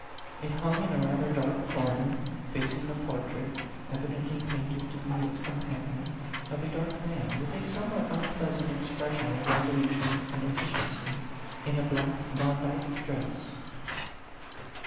It hung in a rather dark corner, facing the portrait, evidently painted to be its companion, of a dark man, with a some what unpleasant expression of resolution and A PHANTOM LOVER. 37 efficiency, in a black Vandyck dress.